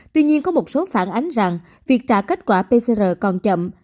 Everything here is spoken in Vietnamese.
tuy nhiên có một số phản ánh rằng việc trả kết quả pcr còn chậm